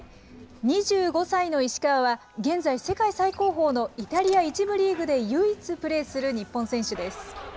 ２５歳の石川は、現在、世界最高峰のイタリア１部リーグで唯一プレーする日本選手です。